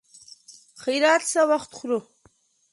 خيرات څه وخت خورو.